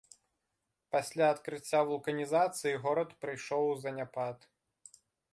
Пасля адкрыцця вулканізацыі горад прыйшоў у заняпад.